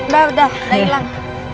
dadah udah hilang